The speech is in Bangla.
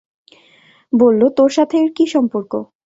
বলল, তোর সাথে এর কী সম্পর্ক?